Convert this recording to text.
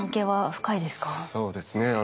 そうですね。